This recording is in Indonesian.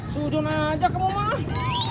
sudun aja kemumah